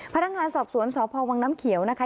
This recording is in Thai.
พนักงานสอบสวนสพวังน้ำเขียวนะคะ